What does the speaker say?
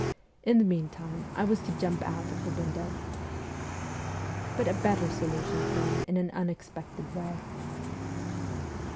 In the meantime, I was to jump out of the window. But a better solution came in an unexpected way.